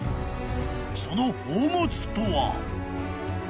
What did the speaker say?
［その宝物とは］